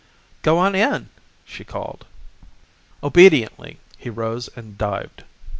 "Go on in!" she called Obediently he rose and dived.